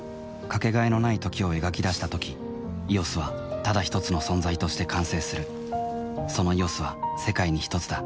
かけがえのない「時」を描き出したとき「ＥＯＳ」はただひとつの存在として完成するその「ＥＯＳ」は世界にひとつだ